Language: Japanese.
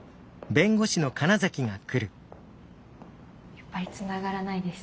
やっぱりつながらないです。